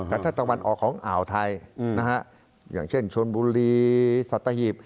แต่ถ้าตะวันออกของอ่าวไทยนะฮะอย่างเช่นชนบุรีสัตหีบ